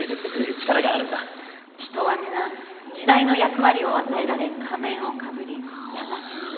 人はみな時代の役割を与えられ仮面をかぶりやがて脱ぐ。